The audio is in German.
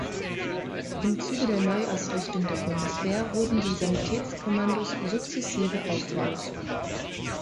Im Zuge der Neuausrichtung der Bundeswehr wurden die Sanitätskommandos sukzessive aufgelöst.